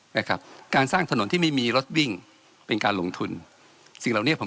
นะครับการสร้างถนนที่ไม่มีรถวิ่งเป็นการลงทุนสิ่งเหล่านี้ผม